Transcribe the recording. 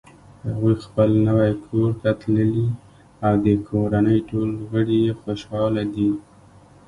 هغوی خپل نوی کور ته تللي او د کورنۍ ټول غړ یی خوشحاله دي